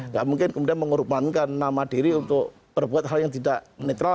nggak mungkin kemudian mengorbankan nama diri untuk berbuat hal yang tidak netral